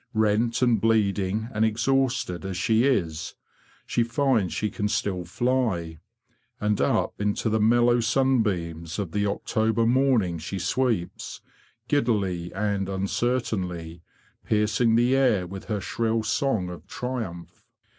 Rent and bleeding and exhausted as she is, she finds she can still fly. And up into the mellow sunbeams of the October morning she sweeps, giddily and uncer tainly, piercing the air with her shrill song of triumph.